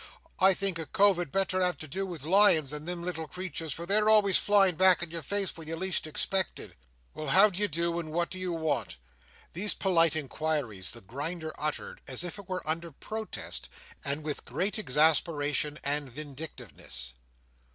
"I think a cove had better have to do with lions than them little creeturs, for they're always flying back in your face when you least expect it. Well, how d'ye do and what do you want?" These polite inquiries the Grinder uttered, as it were under protest, and with great exasperation and vindictiveness.